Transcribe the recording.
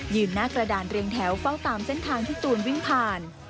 หน้ากระดานเรียงแถวเฝ้าตามเส้นทางที่ตูนวิ่งผ่าน